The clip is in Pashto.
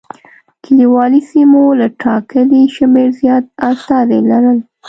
کلیوالي سیمو له ټاکلي شمېر زیات استازي لرل.